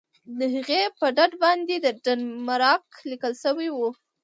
د هغې په ډډه باندې ډنمارک لیکل شوي وو.